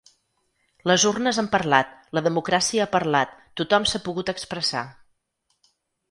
Les urnes han parlat, la democràcia ha parlat, tothom s’ha pogut expressar.